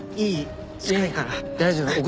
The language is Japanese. いえ大丈夫。